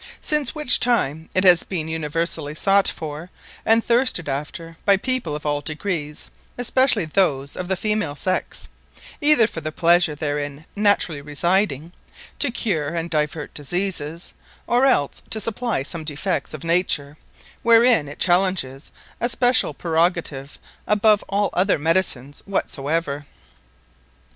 Since which time, it hath beene universally sought for, and thirsted after by people of all Degrees (especially those of the Female sex) either for the Pleasure therein Naturally Residing, to Cure, and divert Diseases; Or else to supply some Defects of Nature, wherein it chalenges a speciall Prerogative above all other Medicines whatsoever.